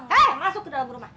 saya masuk ke dalam rumah